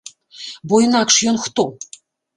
Бо інакш ён хто?